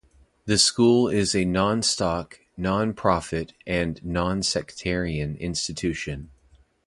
The school is a non-stock, non-profit and non-sectarian institution.